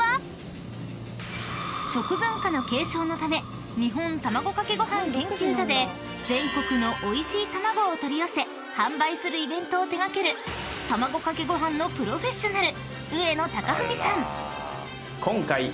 ［食文化の継承のため日本たまごかけごはん研究所で全国のおいしい卵を取り寄せ販売するイベントを手掛けるたまごかけごはんのプロフェッショナル］